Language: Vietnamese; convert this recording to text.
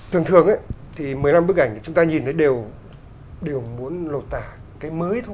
thường thường thì một mươi năm bức ảnh chúng ta nhìn thấy đều muốn lột tả